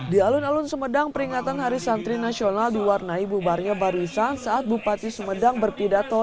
di alun alun sumedang peringatan hari santri nasional diwarnai bubarnya barusan saat bupati sumedang berpidato